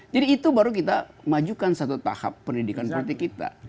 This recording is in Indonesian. jadi itu baru kita majukan satu tahap pendidikan politik kita